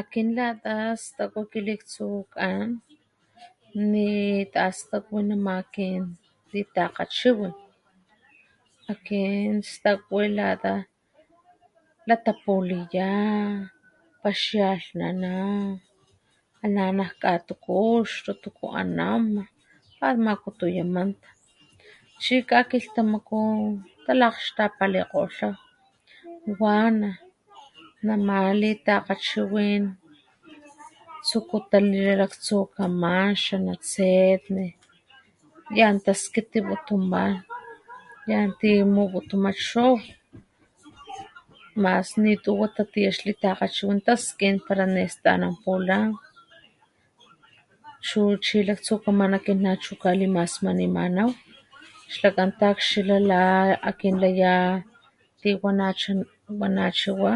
Akin lata stakwi kiliktsukan ni tastakwi nama akin litakgachiwin akin stakwi lata latapuliya, paxialhnana ana´ nak katukuxtu tuku anama ana´ makutuya manta chi kakilhtamaku talakgxtapalikgolha wana nama litakgachiwin tsuku talila laktsukaman, xanatsetne yan taskitiputumana, yanti muputuma chow mas nituwa tatiya ix litakgachiwin ta skin para nestanampula chu chi laktsukaman akin kalimasmanimanaw xlakan ta´akxila la akin laya ti wanacha wanachiwa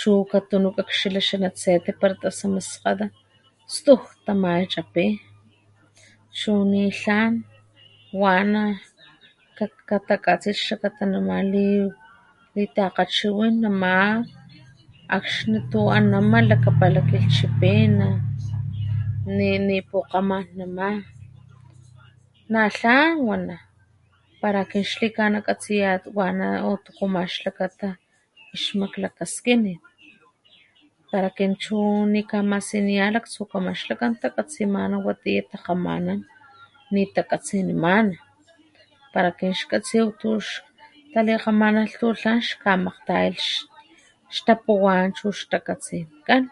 chu katunu kaxkila xanatsetne para tasama xa skgata tsuj tamachapi chu ni tlan wana katakatsilh xkakata nama litakgachiwin akxni tu anama lakapala kilhchipina ni nipukgaman nama natlan wana para akin xlikana katsiya wana o tuku ma xlakata ix maklakaskinit para akin chu ni kamasiniya laktsukaman xlakan takatsimana watiya takgamanan nitakatsinimana para akin xkatsiw tu xtalikgamanalh tu tlan xkamakgtayalh xtapuwan chu xtakatsitkan.